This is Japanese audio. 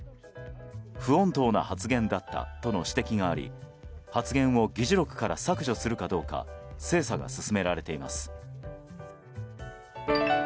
不穏当な発言だったとの指摘があり発言を議事録から削除するかどうか精査が進められています。